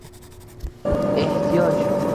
ehtiyoj